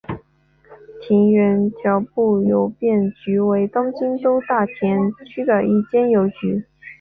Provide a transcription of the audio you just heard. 田园调布邮便局为东京都大田区的一间邮局。